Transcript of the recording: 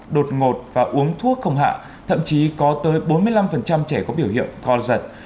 đột ngột và uống thuốc không hạ thậm chí có tới bốn mươi năm trẻ có biểu hiện co giật